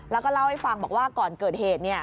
แล้วก็เล่าให้ฟังบอกว่าก่อนเกิดเหตุเนี่ย